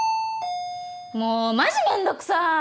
もうマジ面倒くさい！